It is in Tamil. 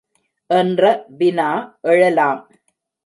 என்ற வினா எழலாம்.